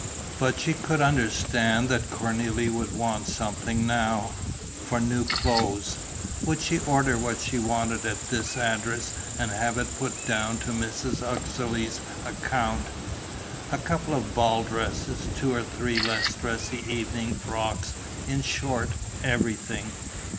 But she could understand that Cornélie would want something now, for new clothes: would she order what she wanted at this address and have it put down to Mrs. Uxeley's account? A couple of ball dresses, two or three less dressy evening frocks, in short, everything.